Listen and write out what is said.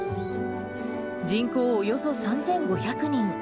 人口およそ３５００人。